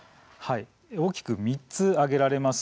大きく３つ挙げられます。